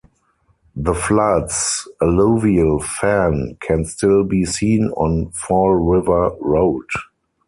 The flood's alluvial fan can still be seen on Fall River Road.